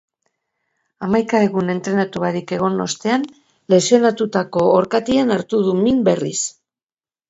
Hamaika egun entrenatu barik egon ostean, lesionatutako orkatilan hartu du min berriz.